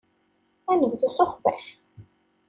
Ad nebdu s uxbac.